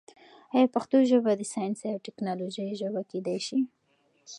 آیا پښتو ژبه د ساینس او ټیکنالوژۍ ژبه کېدای شي؟